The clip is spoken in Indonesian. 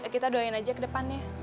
kita doain aja ke depannya